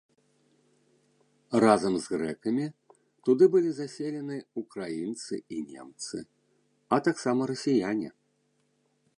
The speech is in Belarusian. Разам з грэкамі туды былі заселены ўкраінцы і немцы, а таксама расіяне.